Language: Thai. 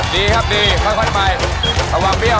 ในครั้งต้องกดประสับใจ